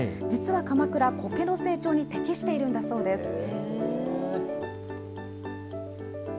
実は鎌倉、こけの成長に適しているんだそうです。